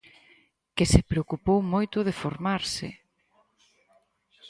Que se preocupou moito de formarse...